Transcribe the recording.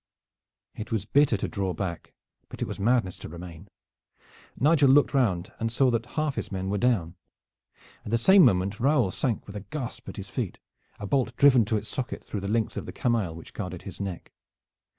It was bitter to draw back; but it was madness to remain. Nigel looked round and saw that half his men were down. At the same moment Raoul sank with a gasp at his feet, a bolt driven to its socket through the links of the camail which guarded his neck.